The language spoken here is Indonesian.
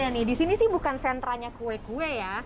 wah ada nih disini sih bukan sentra nya kue kue ya